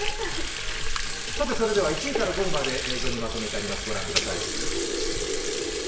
それでは１位から５位まで映像にまとめてあります。